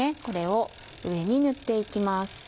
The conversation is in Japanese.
これを上に塗って行きます。